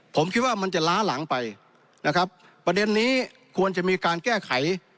ผมคิดว่ามันจะล้าหลังไปนะครับประเด็นนี้ควรจะมีการแก้ไข